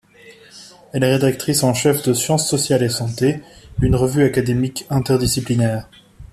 Elle est rédactrice en chef de Sciences sociales et Santé, une revue académique interdisciplinaire.